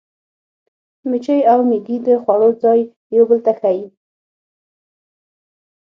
مچۍ او مېږي د خوړو ځای یو بل ته ښيي.